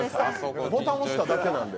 ボタン押しただけなんで。